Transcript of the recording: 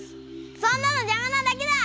そんなのじゃまなだけだ！